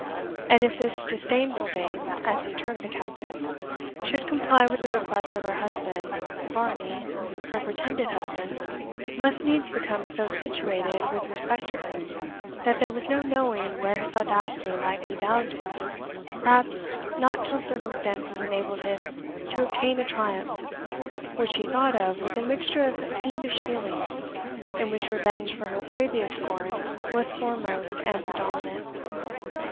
And if this disdainful dame, as he termed the Countess, should comply with the request of her husband, Varney, her pretended husband, must needs become so situated with respect to her, that there was no knowing where his audacity might be bounded perhaps not till circumstances enabled him to obtain a triumph, which he thought of with a mixture of fiendish feelings, in which revenge for her previous scorn was foremost and predominant.